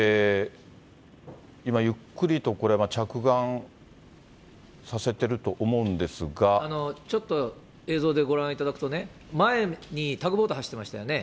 今、ゆっくりとこれ、着岸させてちょっと映像でご覧いただくとね、前にタグボート走ってましたよね。